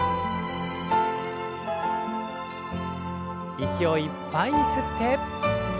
息をいっぱいに吸って。